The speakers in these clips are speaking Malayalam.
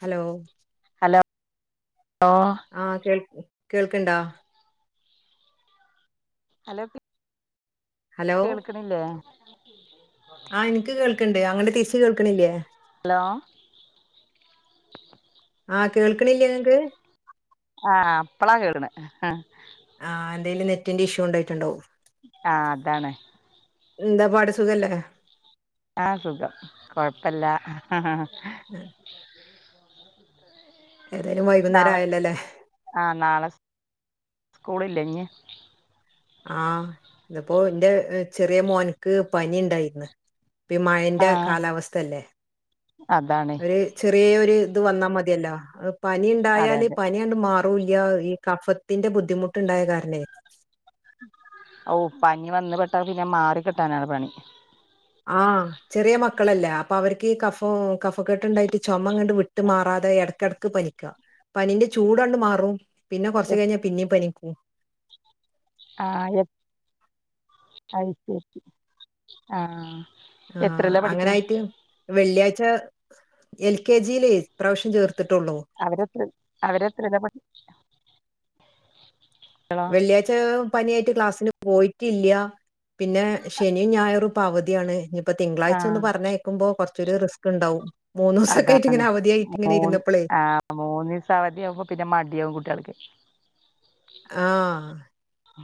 ഹലോ ഹലോ ലോ ആഹ് കേൾ കേൾക്ക്ണ്ടാ ഹലോ ഹലോ കേൾക്ക്ണില്ലേ ആ ഇനിക്ക് കേൾക്ക്ണ്ട് അങ്ങട്ട് തിരിച്ച് കേൾക്കണില്ലേ ഹലോ ആഹ് കേൾക്കണില്ലേ നിക്ക് ആഹ് ഇപ്പളാ കേടന് ആഹ് എന്തേലും നെറ്റിന്റെ ഇഷ്യൂ ഉണ്ടായിട്ടുണ്ടാവും ആഹ് അതാണ് എന്താ പാട് സുഖല്ലേ ആഹ് സുഖം കൊഴപ്പല്ല [unintelligible] ഏതെയാലും വൈകുന്നേരം ആയല്ലോ ല്ലേ ആ നാളെ സ് സ്കൂളില്ലെ ഞ്ഞി ആഹ് ഇന്നിപ്പോ എന്റെ ചെറിയ മോന്ക്ക് പനി ഇണ്ടായിരുന്ന് ഇപ്പി മയന്റെ ആഹ് കാലാവസ്ഥയല്ലേ അതാണ് ചെറേഒരു ഇത് വന്നാ മതിയല്ലോ അതെ പനിയിണ്ടായാല് അതെ പനി ണ്ട്മാറൂല്ല ഈ കഫത്തിന്റെ ബുദ്ധിമുട്ടുണ്ടായത് കാരണെ ഔ പനി വന്ന്പെട്ടാ പിന്നെ മാറിക്കിട്ടാനാണ് പണി ആഹ് ചെറിയ മക്കളല്ലെ അപ്പ അവർക്കീ കഫോം കഫക്കെട്ട് ഇണ്ടായിട്ട് ചൊമങ്ങണ്ട് വിട്ട് മാറാതെ എടക്കെടക്ക് പനിക്ക പനീന്റെ ചൂടാണ്ട് മാറും പിന്നെ കൊറച്ച്കഴിഞ്ഞാ പിന്നെ പനിക്കും ആ [unintelligible] ആ. ആ അങ്ങനായിറ്റ് വെള്ളിയാഴ്ച എൽ കെ ജിയിലേ ഇപ്രാവശ്യം ചേർത്ത്ട്ടോള്ളൂ. അവരെത്ര അവരെത്രയില പ വെള്ളിയാഴ്ച പനിയായിട്ട് ക്ലാസ്സിന് പോയിട്ടില്യ പിന്നെ ശനി ഞായറും പ്പവധിയാണ് ഇനിപ്പ തിങ്കളാഴ്ച ഒന്ന് ആഹ് പറഞ്ഞയക്കുമ്പോ കൊറച്ചൊരു റിസ്ക്ണ്ടാവും. മൂന്ന്സൊക്കെയിട്ടിങ്ങനെ അവധിയായിട്ടിങ്ങനെ ഇരുന്നപ്പളെ മൂന്നിസ അവധിയാവുമ്പ പിന്നെ മടിയാവും കുട്യാൽക്ക് ആ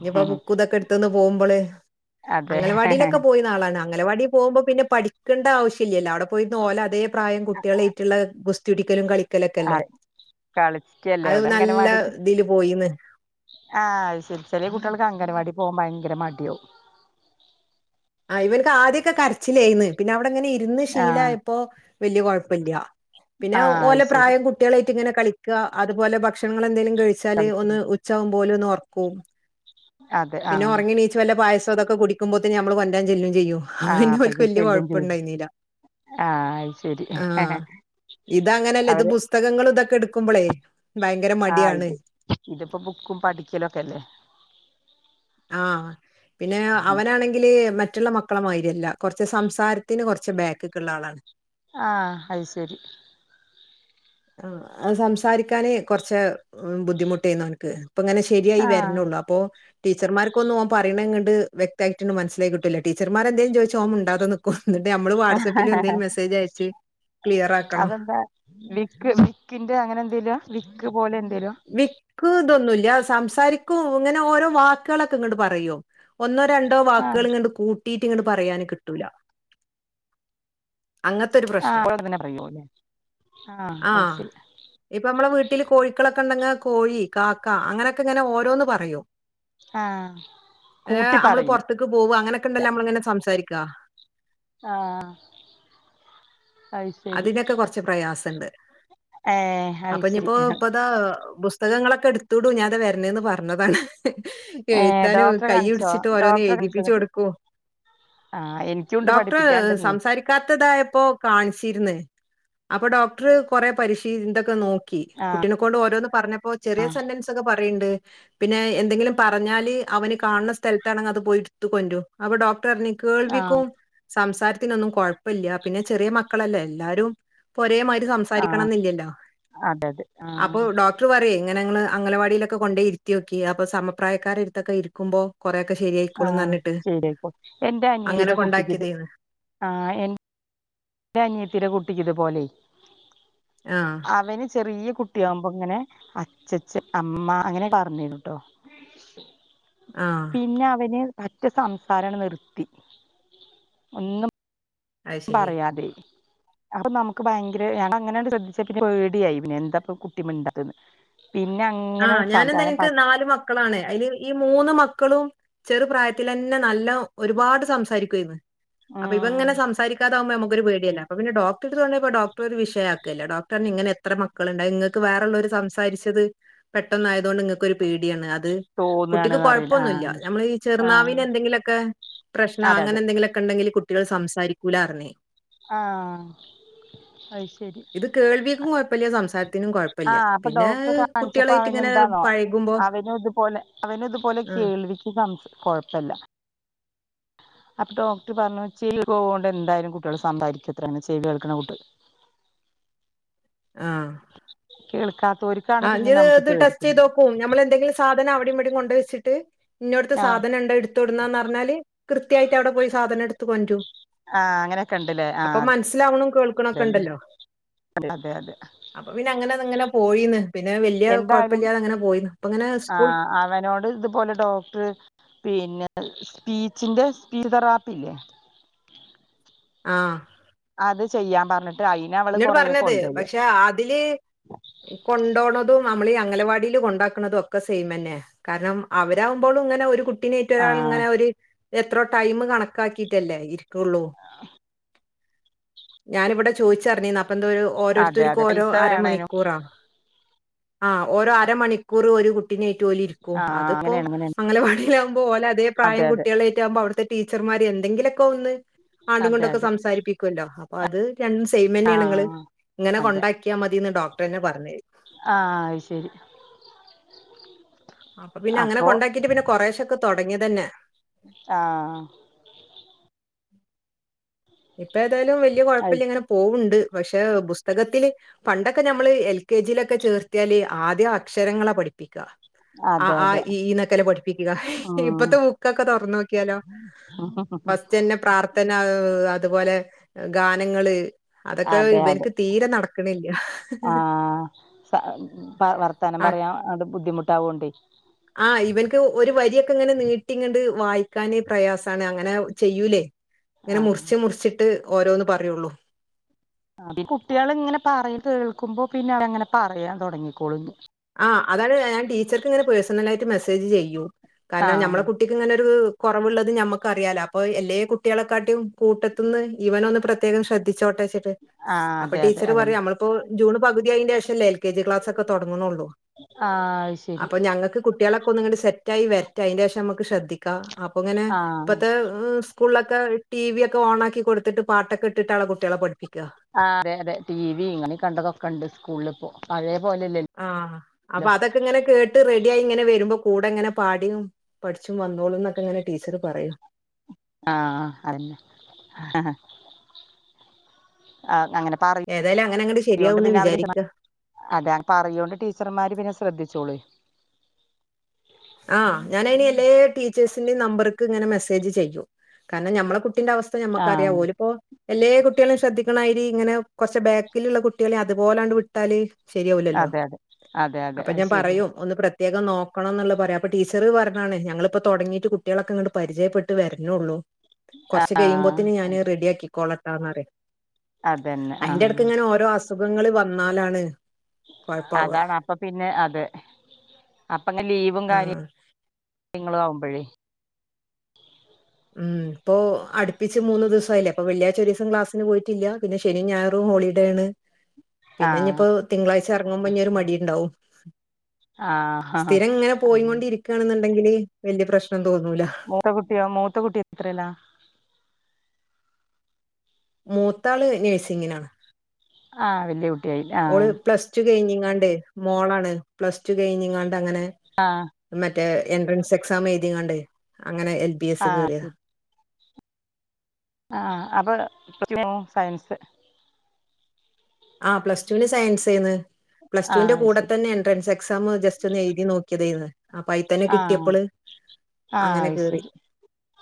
ഇനിപ്പ ബുക്കുതൊക്കെ ഇട്തോന്ന് പോവുമ്പോളേ അംഗനവാടിയിലക്കെ അതെ പോയി നാളാണ് അംഗലവാടി പോവുമ്പോ പിന്നെ പഠിക്കേണ്ട ആവശ്യല്യല്ലോ അവിടെ പോയിര്ന്ന് ഓലെ അതേ പ്രായം കുട്ടികളെറ്റുള്ള ഗുസ്തിടിക്കലും കളി ക്കലക്കെല്ലേ കളിക്കല്ലേ അത് അവിടെ നല്ല ഇതില് പോയിന്ന് ആ അശരി ചെലെ കുട്ട്യേൽക്ക് അംഗനവാടി പോ ഭയങ്കര മടിയാവും ആ ഇവൻക്ക് ആദ്യാക്കെ കരച്ചിലേന്ന് പിന്നെ അവിടെങ്ങനെയി ര്ന്ന് ആഹ് ശിലായിപ്പോ വല്യ കൊഴപ്പല്യ പിന്നെ ആഹ് അത് ഓലെ ശരി പ്രായം കു കുട്ട്യളായിട്ട് ഇങ്ങനെ കളിക്ക അതുപോലെ ഭക്ഷണങ്ങളെന്തെലും കഴിച്ചാല് ഒന്ന് കളിക്കുന്നു ഉ ചാവുബോലോന്നോർക്കു അതെ പിന്നെ ആഹ് ഒറങ്ങിണീച്ച വല്ല പായസതക്കെ കുടിക്കുമ്പോത്തന് നമ്മള് വ [unintelligible] ചെല്ലും ചെയ്യും ഹ ആഹ് ഇന്നേ ഓൾക്ക് അപ്പഴേക്കും വല്യ ചെല്ലും കൊഴപ്പ ചെയ്യും ഇണ്ടായിരുന്നില്ല ആഹ് അത് ശരി ആ ഇതങ്ങനല്ല ഇത് അവര് പുസ്തകങ്ങളൾ ഇതക്കെ എടുക്കുമ്പളേ ഭയങ്കര ആ മടിയാണ് ഇത് ഇതിപ്പ ബുക്കും പഠിക്കലൊക്കെല്ലേ ആ പിന്നെ അവനാണെങ്കില് മറ്റുള്ള മക്കളെമാരില്ല കൊറച്ച് സംസാരത്തിന് കൊറച്ച് ബാക്ക്ക്ക്ള്ള ആളാണ്. ആ അത് ശരി ആ അത് സംസാരിക്കാനേ കൊറച്ച് ഉ ബുദ്ധിമുട്ടായിരുന്നു അവനിക്ക് ഇപ്പ ങ്ങനെ ശരിയായി ആഹ് വരണുള്ളൂ അപ്പൊ ടീച്ചർമാർക്കൊന്നും ഓൻ പറയണങ്ങട് വ്യക്തയിടൊന്നും മനസ്സിലായി കിട്ടാല്യ ടീച്ചർമാരേന്തലും ചോയിച്ച ഓൻ മിണ്ടാതെ നി കുസ് ന്നട്ട് ഞമ്മളു വാട്സാപ്പില് എന്തേലും മെസ്സേജ് അയച്ച് ക്ലിയറാക്കണം. അതെന്താ വിക്ക് വിക്കിന്റെ അങ്ങനെന്തെല്ലുവ വിക്ക് പോലെ എന്തേലുവാ? വിക്ക് തോന്നുല്യ സംസാരിക്കു ഇങ്ങനെ ഓരോ വെക്കലോകെ ഇങ്ങട് പറയു. ഒന്നോ രണ്ടോ ആഹ് വാക്കുകളിങ്ങണ്ട് കൂ ട്ടിറ്റ് പറയാന് കിട്ടൂല അങ്ങത്തെ ആ [unintelligible] പറയൂലെ അ അയിഷരി. ഇപ്പമ്മളെ വീട്ടില് കോഴിക്കളക്കെ ണ്ടെങ്ക കോഴി കാക്ക അങ്ങനോകെ ഇങ്ങനെ ഓരോന്ന് പറയും. ആഹ് ഏ കൂട്ടി അമ്മള് പറയില്ലേ പോർത്ത്ക്ക് പോവ അങ്ങനക്കെ ണ്ടല്ലോ അമ്മളിങ്ങനെ സംസാരിക്കാ ആ അതിനക്കെ കൊറച്ച് പ്രയാസണ്ട് ഏഹ് അത് അപ്പഞ്ഞിപ്പോ ശരി പ്പതാ ബൂസ് സ്തകങ്ങളൊക്കെ എടുത്തുടൂ ഞാനിതാ വരണേന്ന് പറഞ്ഞതാണ്. ഹി ഹ് ഏഹ് എഴുതാനു ഡോക്ടറെ കാണിച്ചോ കയ്യിട്ചിട്ട് ഓരോന്ന് ഡോക്ടറെ കാണിച്ചോ എഴുതിപ്പിച്ചു എന്നിട്ട് കൊടുക്കും. ആഹ് എനിക്കുണ്ട് ഡോക്ടർ പഠിപ്പിക്കാണ്ട്ന്ന് സംസാരി ക്കത്തതായപ്പോ കാണിച്ചിരുന്ന് അപ്പ ഡോക്ടർ കൊറെ പരിശീ ഇതൊക്കെ നോ കി കുട്ടിനെ കൊണ്ട് ഓരോന്ന് പറഞ്ഞപ്പോ ചെറിയ സെന്റൻസ് ഒക്കെ പറയിണ്ട് ഹെ. പിന്നെ എന്തെങ്കിലും പറഞ്ഞാല് അവന് കാണുന്ന സ്ഥലത്താണെങ്ങ് അത് പോയിട്ത്കൊണ്ട്രൂ അപ്പൊ ഡോക്ടർ അറ്ഞ്ഞി ആഹ് കേൾവിക്കും സംസാരത്തിനൊന്നും കൊഴപ്പല്യ പിന്നെ ചെറിയ മ ക്കളല്ലേ എല്ലാരും പ ഒരേ മാതിരി ആഹ് സംസാരികണോന്നില്യല്ലോ അതെ അതെ അപ്പൊ ആഹ് ഡോ ട്ര് പറയെ ഇങ്ങനെ ഇങ്ങൾ അംഗലവാടിയിലൊക്കെ കൊണ്ടോയിരിത്തിയോകി അപ്പ സമപ്രായക്കാരെട്തോകെ ഇരിക്കുമ്പോ കൊറെയൊക്കെ ശരിയായിക്കോളൂ ആഹ് ന്നറ്ഞ്ഞിട്ട് ശരിയായിക്കോ അങ്ങനെ കൊണ്ടക്യതെയിനി ആ എൻ ൻ്റെ അനിയത്തിടെ കുട്ടിക്ക് ഇതു പോലെ ആ അവന് ചെറിയ കുട്ടിയാവുമ്പോ ങ്ങനെ അച്ചച്ച, അമ്മ അങ്ങനെപറഞ്ഞിര്ന്നുട്ടോ ആഹ പിന്നെ അവറ്ന് പറ്റെ സംസാരങ്ങട്ട് നിർത്തി ഒന്നും അത് ശരി പറയാതെയി അപ്പൊ നമുക്ക് ഭയങ്കര ഞാൻ അങ്ങനെങ്ങ് ശ്രദ്ധിചിട്ടില്ല പേടിയായി പിന്നെ എന്താപ്പ കുട്ടിമിണ്ടാത്ത്ന്ന് പിന്നെ ആ അങ്ങനെണ് ഞാനെന്താ സംസാരം എനിക്ക് പറ്റെ നാല് മക്കളാണ് അതില് ഈ മൂന്ന് മക്കളും ചെറുപ്രായത്തിലെന്നെ നല്ലോം ഒരുപാട് സംസാരിക്കയിരുന്ന് അപ്പൊ ഉം ഇവങ്ങനെ സംസാരിക്കാതാാവുമ്പോ നമുക്കൊരു പേടിയല്ലെ അപ്പ പിന്നെ ഡോക്ട എട്ത്തു കൊണ്ടോയപ്പോ ഡോക്ടർ ഒരു വിശയാക്കല്ല ഡോക്ടറഞ്ഞു ഇങ്ങനെത്ര മക്കളുണ്ട് നിങ്ങക്ക് വേറേ ഉള്ളോര് സംസരിച്ചത് പെട്ടെന്നയതൊണ്ട് ങ്ങക്കൊരു പേടിയാണ് അത് കുട്ടിക്ക് തോന്നാണ്ന്ന് അറിയില്ല ആഹ് കൊഴപ്പൊന്നുല്ല നമ്മൾ ഈ ആഹ് ചെറുനാവിന് എന്തെങ്കിലുക്കെ പ്രശ്നോ അതെ അങ്ങനെ അതെ എന്തെങ്കിലോക്കെ ഉണ്ടെങ്കിൽ കുട്ടികൾ സംസാരിക്കൂലർഞ്ഞേ ആ അയ് ശരി ഇത് കേൾവിക്കും കൊയ്പ്പല്ല സംസത്തിനും കൊയ്പ്പല്ല ആഹ് അപ്പൊ ഡോക്ടർ കാണ് കാണിച്ചപ്പോ അവ നെന്താണോ പഴകുമ്പോ അവനുത് പോലെ അവനുത് പോലെ ആഹ് കേൾവി ഇ സംസ് കൊയ്പ്പല്ല അപ്പൊ ഡോക്ടർ പറഞ്ഞു ചവി പോവ കൊണ്ട് എന്തായാലും കുട്ടികൾ സംമ്പാരിക്കുത്ര ചവി കേൾക്ക്‌ണ കുട്ടിയാൾ ആഹ കേൾക്കാത്തോര് ആ ജെത് ടെസ്റ്റ് ചെയ്തോക്കു നമ്മള എന്തെങ്കില സാധനം അവിടേം വിടെയും കൊണ്ടു വെച്ചിട്ട് ഇന്നോടുത്ത് ആഹ് സാധനംണ്ട് എടുത്തോട്ന്നാന്ന് പറഞ്ഞാല് കൃയായിട്ട് അവിടെ പോയി സാധനെടുത്ത് കൊണ്ടരും ആഹ് അങ്ങനെയൊക്കെ ഉണ്ടല്ലേ അപ്പൊ ആഹ് മനസ്സിലാവുണും കേൾക്കണൊക്കെ അതന്നെ ണ്ടല്ലോ അതെ അതെ അപ്പൊ പിന്നെ അങ്ങനെ അത് ങ്ങനെ പോയിന്ന് പിന്നെ വലിയ എന്തായാലും കുഴപ്പല്ലാതെ അങ്ങനെ പോയിന്ന് പ്പ ങ്ങനെ സ്കൂൾ ആഹ് അവനോട് ഇതുപോലെ ഡോക്ടർ പിന്നെ സ്പീച്ചിന്റെ സ്പീച്ച് തെറാപ്പില്ലേ ആഹ അത് ചെയ്യാൻ പറഞ്ഞിട്ട് ആയി ന്നോട് പറഞ്ഞത് പക്ഷെ അതില് കൊണ്ടോണതും നമ്മളീ അംഗലവാടില് കൊണ്ടാക്ക്‌ണതും ഒക്കെ സെയിമെന്നെ കാരണം അവരാവുമ്പോഴും ങ്ങനെ ഒരുകുട്ടി പിന്നെ ഇറ്റാൾ ആഹ് ങ്ങനെ ഒരു എത്രോ ടൈം കണക്കാക്കിട്ടല്ലേ ഇരിക്കോള്ളൂ ഞാനിവിടെ ചോയിച്ചറിഞ്ഞീന്ന് അപ്പന്തോ ഒരു അതെ ഓരോരര്ത്തർക്ക് അതെ ഓരോ പൈസ വേണേനും അരമണിക്കൂറ ആ ഓരോ മണിക്കൂർ ഒരു കുട്ടിനേറ്റ് ഓലിരിക്കും ആ അതിപ്പോ അങ്ങനെയാണ് അങ്ങനെയാണ് അംഗലവാടീലാകുമ്പോ ഓലെ അതേ പ്രായം അതെ അതെ കുട്ടികളെയ് പ്രായായിരിക്കുംമ്പോ അവിത്തെ ടീച്ചർമാർ എന്തെിലൊക്കെ ഒന്ന് ആണ്ടും അതെ ങ്ങട്ടൊക്കെ അതെ സംസാരിപ്പിക്കുല്ലോ അപ്പൊ അത് രണ്ട് ആ മ്മന്നെണോ ങ്ങള് ഇങ്ങനെ കൊണ്ടാക്കിയാൽ മതിന്ന് ഡോക്ടറെന്നെ പറഞ് ആഹ അയ് ശരി അപ്പൊ പിന്നെ അങ്ങനെ കൊണ്ടാക്കീട്ട് പിന്നെ കുറശൊക്കെ തുടങ്ങേതന്നെ ആ ഇപ്പ ഏതായാലും വലിയ കുഴപ്പല്ല അത് ങ്ങനെ പോവുണ്ട് പക്ഷേ പുസ്തകത്തില് പണ്ടൊക്കെ ഞമ്മള് എൽ കെജി ലൊക്കെ ചേർത്തിയാല് ആദ്യം അക്ഷരങ്ങളാ പഠിപ്പിക്കാ അ അതെ ആ അതെ ഇ ഈന്നൊക്കെല്ല പഠിപ്പിക്കുക ഉം ഇപ്പത്തെ ബുക്കൊക്കെന്ന് തോർന്നോ ക്കിയാലോ ആഹ ഹ ഹ തന്നെഹ് അതുപോലെ ഗാനങ്ങള് അതൊക്കെ അതെ അതെ ഇവനിക്ക് തീരെ നടക്കണില്ല ആ സ പ വർത്താനം ആഹ് പറയാൻ അത് ബുദ്ധിമുട്ടാതുകോണ്ടയ് ആ് ഇവനക്ക് ഒരു വരിയൊക്കെ ങ്ങനെ നീട്ടി ങ്ങണ്ട് വായിക്കാൻ പ്രയാസാണ് അങ്ങനെ ചെയ്യൂലേ ആ ങ്ങനെ മുറിച്ച് മുറിച്ചിട്ട് ഓരോന്ന് പറയുള്ളൂ അത് കുട്ടിയാൾ ഇങ്ങനെ പറയ് കേൾക്കുമ്പോ പിന്നെ അവരങ്ങനെ പറയാൻ തൊടങ്ങിക്കോള് ആഹ് അതാണ് ഞാൻ ടീച്ചർക്ക് ഇങ്ങനെ പേഴ്സണലായിട്ട് മെസ്സേജ് ചെയ്യൂ ആ കാരണം നമ്മളെ കു ട്ടിക്ക്ങ്ങനൊരു കൊറവ്ള്ളത് നമ്മക്ക് അറിയാല അപ്പൊ എല്ലേ കുട്ടികളെക്കാട്ടിയും കൂട്ടത്ത്ന്ന് ഇവനൊന്ന് പ്ര പ്രത്യേകം ശ്രദ്ധിച്ചോട്ടെച്ചിട്ട് ആ അപ്പൊ അതെ അതെ ടീച്ചറ് അതന്നെ പറയും നമ്മള് ഇപ്പോ ജൂൺ പകുതിയായ്ൻ്റേ ശല്ലേഎൽ കെ ജിക്ലാസൊക്കെ തൊടങ്ങ്ണൊള്ളൂ ആഹ് ശ അപ്പൊ ഞങ്ങക്ക് കുട്ടിയാളൊക്കൊ ന്ന്ങ്ങട്ട് സെറ്റായി വര്റ്റെ അയ്ൻ്റേഷം മ്മക്ക് ശ്രദ്ധി ക അപ്പൊ ഇങ്ങനെ ആ ഇപ്പത്തെ ഉം സ്കൂളിലൊക്കെ ടി വി ഒക്കെ ഓൺ ആക്കി കൊടുത്തിട്ട് പാട്ടൊക്കെ ഇട്ടിട്ടാണ് കുട്ടിയാളെ പഠിപ്പിക്ക ആഹ് അതെ തെ ടി വി ഇങ്ങനെ കണ്ടതൊക്കെണ്ട് സ്കൂള്പ്പോ പഴയേ പോലല്ല ആഹ് അപ്പൊ അതൊക്കെ ഇങ്ങനെ കേട്ട് റെഡി ആയി ഇങ്ങനെ വരുമ്പോ കൂടെ എങ്ങനെ പാടിയും പഠിച്ചും വന്നോളൂ ന്നൊക്കെങ്ങനെ ടീച്ചർ പറയു ആഹ് അതന്നെ ആ അങ്ങനെ പറ ഏതായാലും അങ്ങനെ അങ്ങോട്ട് യോണ്ട് ശരിയാവും എന്ന് പിന്നെ അവര് വിചാരിക്കുക അതെ പറയോണ്ട് ടീച്ചർമാര് പിന്നെ ശ്രദ്ധിച്ചോളൊയ് ആഹ് ഞാനയ്ന് എല്ലേ ടീച്ചേഴ്സിൻ്റിം നമ്പർക്ക് ഇങ്ങനെ മെസ്സേജ് ചെയ്യൂ കാരണം നമ്മളെ കുട്ടിന്റെ അവസ് നമ്മുക്കറിയാ ആഹ് ഓല് ഇപ്പോ എല്ലേ കുട്ടികളെയും ശ്രദ്ധിക്ക്ണായിരി ഇങ്ങനെ കൊറച്ച് ബാക്കിലുള്ള കുട്ടികളെ അതുപോലാണ്ട് വി ട്ടാല് ശരിയാവ് ല്ലല്ലോ അതെ അതെ അതെ അതെ അപ്പൊ അത് ഞാൻ ശരിയാണ് പറയും ഒന്ന് പ്രത്യേകം നോക്കണം ന്ന്ള്ള പറയാംപ്പൊ ടീച്ചർ പറഞ്ഞാണ് ഞങ്ങളിപ്പൊ തൊടങ്ങീട്ട് കുട്ടികളൊക്കെ ഇങ്ങട്ട് പരിചയപ്പെട്ട് വര് നൊള്ളൂ കൊർച്ച് ആഹ് കഴിയുമ്പോത്ത്ന് ഞാന് റെഡിയാക്കി കോളാത്താന്നാറേ അതന്നെ അയ്ന്റെ ആഹ് ട്ക്ക് ഇങ്ങനെ ഓരോ അസുഖങ്ങള് വന്നാലാണ് കൊഴപ്പാവ അതാണ് അപ്പൊ പിന്നെ അത് അപ്പ ങ്ങെ ലീവും കാര്യ ആഹ് നിങ്ങളു ആവുമ്പഴേ ഉം ഇപ്പോ അട്പ്പിച്ച് മൂന്ന് ദിവസല്ലേ അപ്പ വെള്ളിയാഴ്ച ഒരീസം ക്ലാസിന് പോയിട്ടില്ല പിന്നെ ശനി ഞായറും ഹോളിഡേ ആണ് പിന്നെ ആഹ് നിപ്പോ തിങ്കളാഴ്ച എറങ്ങുമ്പോ ഇനിയൊരു മടിണ്ടാവും ആഹ് സ്ഥിരം ങ്ങനെ അതന്നെ. പോയികൊണ്ടിരിക്കാണെന്നുണ്ടെങ്കില് വല്ല്യ പ്രശ്നം തോന്നൂല മൂത്ത കുട്ടിയോ മൂത്തക്കുട്ടി എത്രേലാ? മൂത്താള് നഴ്സിങ്ങിനാണ് ആഹ് വല്ല്യ കു ഓള് പ്ലസ് ടു കഴഞ്ഞിങ്ങാണ്ട് മോളാണ് പ്ലസ് ടു കഴഞ്ഞിങ്ങാണ്ട് അങ്ങനെ ആഹ് മറ്റേ എൻട്രൻസ് എക്സാം എഴുതികാണ്ട് അങ്ങനെ എൽ ബി എസ് ആഹ് കേറിയതാ ശരി ആഹ് അപ്പൊ [unintelligible] സയൻസ് ആഹ് പ്ലസ് റ്റുവിന് സയൻസെയ്ന്ന് പ്ലസ് ടുവിന്റെ ആഹ് അത് കൂടെ ശരി തന്നെ എൻഡ്രൻസ് എ എക്സാമ് ജസ്റ്റ് ഒന്ന് എഴ്തി നോക്കിയ തയ്ന്ന് അപ്പൊ അയി തന്നെ ആഹ് കിട്ടിയപ്പള് അങ്ങനെ അത് കേറി ശരി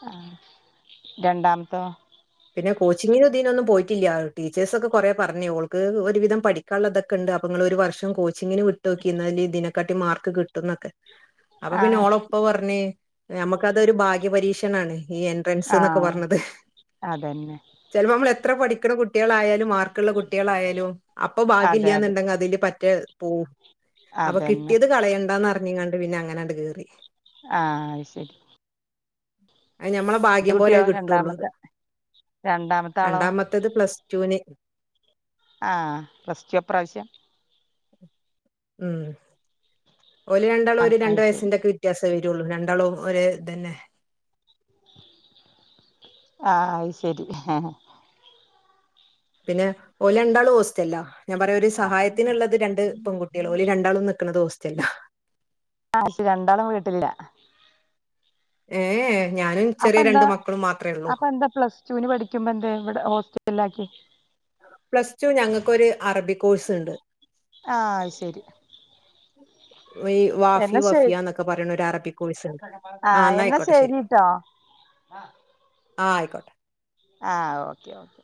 ആഹ് രണ്ടാമത്തോ പിന്നെ കോച്ചിങ്ങിന് ദീനൊന്നും പോയിട്ടില്ല ടീച്ചേഴ്സൊക്കെ കൊറേ പറഞ്ഞു അവക്ക് ഒരുവിധം പഠിക്ക ക്കാളതൊക്കെ ഉണ്ട് അപ്പൊ നിങ്ങള് ഒരു വർഷം കോച്ചിങ്ങിന് വിട്ടോക്കി ന്നാല് തിനെക്കാട്ടി മാർക്ക് കിട്ടുംന്നൊക്കെ അപ്പൊ പിന്നെ ആഹ് ഓള ഉപ്പ പറഞ്ഞ് ഞ മ്മക്കതൊരു ഭാഗ്യപരീക്ഷണാണ്. ഈ എൻട്രൻസ് ന്നൊക്കെ ആഹ് പറഞ്ഞത് അതന്നെ ചെൽപ്പോ മ്മൾ എത്ര പഠിക്ക്ണ കുട്ടിയളായാലും മാർ ക്കുള്ള കുട്ടിയാളായാലും അപ്പൊ അതെ അതെ ബാഗ്യല്ലാന്ന്ണ്ടെങ്കി അതില് പറ്റേ പോവും അപ്പൊ അതന്നെ കിട്ടിയത് കളയണ്ടാന്നറഞ്ഞു കാണ്ട് പിന്നെ അങ്ങനെണ്ട് കേറി ആഹ് അത് ശരി അ ഞമ്മളെ ഭാഗ്യം പോലെ കിട്ടഒള്ളൂ രണ്ടാമ രണ്ടാമത്തെത് പ്ലസ്റ്റുന് ആ ഫാസ്റ്റാ ഇപ്രാവശ്യം ഉം ഓല് രണ്ടാളും ഒര് അത് രണ്ട് ശരി വയസ്സിന്റെക്കെ വി- വ്യത്യാസേ വരുള്ളൂ രണ്ടാളും ഒരേതന്നെ ആഹ അയ്ശെരി ഹേ പിന്നെ ഓല്ണ്ടാളും ഓസ്റ്റ്ല്ലാ ഞാൻ പറയാം ഒരു സഹായത്തിന്ള്ളത് രണ്ട് പെൺകുട്ടികള് ഓല് രണ്ടാളും നിക്കുന്നത് ഹോസ്റ്റല്ലാ ആ രണ്ടാളും വീട്ടിലില്ല ഏഹ ഞാനും ചെറിയ രണ്ട് മക്കളും മാത്രഉള്ളൂ ന്ത പ്ലസ് പ്ലസ്ട്ടുന് പഠിക്കുമ്പോ എന്തേ ഇവിടെ ഹോസ്റ്റൽലാക്കി പ്ലസ് ടു ഞങ്ങക്കൊര് അറബി കോഴ്സ് ഉണ്ട് ആഹ അത് ശരി [inaudible] ഈ വാഫി എന്നാ ശരി വഫിയ എന്നൊക്കെ പറയണ ഒരു അറബിക്കോയിസ് ഉണ്ട് ആ ആഹ് എന്നാ എന്നായിക്കോട്ടെ ശരി. ശരിട്ടോ ആഹ ആയിക്കോട്ടെ. ആഹ ഓക്കെ ഓക്കെ.